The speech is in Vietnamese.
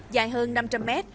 dài hơn năm trăm linh mét